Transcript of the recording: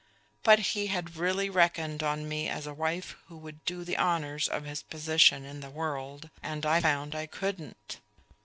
But he had really reckoned on me as a wife who would do the honors of his position in the world; and I found I couldn't."